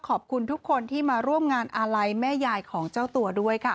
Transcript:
ขอบคุณทุกคนที่มาร่วมงานอาลัยแม่ยายของเจ้าตัวด้วยค่ะ